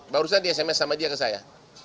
barusan di sms sama dia ke saya